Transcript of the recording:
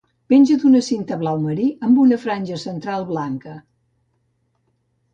Penja d'una cinta blau marí amb una franja central blanca.